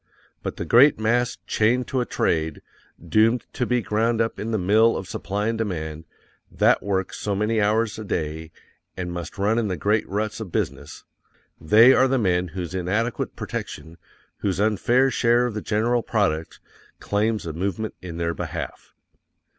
_BUT THE GREAT MASS, CHAINED TO A TRADE, DOOMED TO BE GROUND UP IN THE MILL OF SUPPLY AND DEMAND, THAT WORK SO MANY HOURS A DAY, AND MUST RUN IN THE GREAT RUTS OF BUSINESS, they are the men whose inadequate protection, whose unfair share of the general product, claims a movement in their behalf_.